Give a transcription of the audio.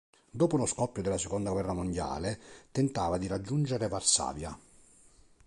Dopo lo scoppio della seconda guerra mondiale tentava di raggiungere Varsavia.